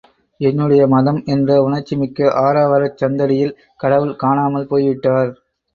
என்னுடைய மதம் என்ற உணர்ச்சிமிக்க ஆரவாரச் சந்தடியில் கடவுள் காணாமல் போய் விட்டார்!